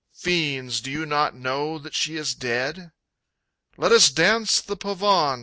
Fiends, do you not know that she is dead?... "Let us dance the pavon!"